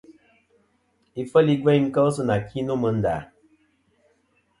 Ifel i gveyn kel sɨ nà ki nô mɨ nda.